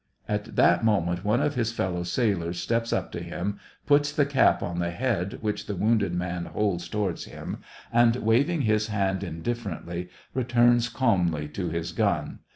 " At that moment, one of his fellow sailors steps up to him, puts the cap on the head which the wounded man holds towards him, and, waving his hand indifferently, returns calmly to his gun.